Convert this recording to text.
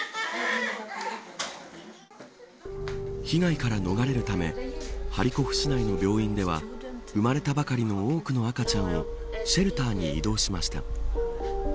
被害から逃れるためハリコフ市内の病院では生まれたばかりの多くの赤ちゃんをシェルターに移動しました。